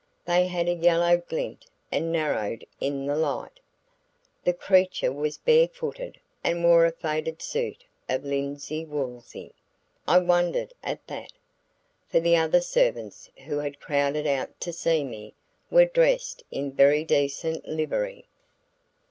They had a yellow glint and narrowed in the light. The creature was bare footed and wore a faded suit of linsey woolsey; I wondered at that, for the other servants who had crowded out to see me, were dressed in very decent livery.